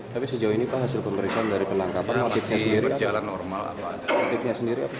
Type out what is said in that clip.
tapi sejauh ini pak hasil pemeriksaan dari penangkapan masih berjalan normal apa